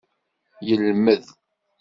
Yelmed.